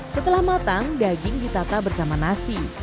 setelah matang daging ditata bersama nasi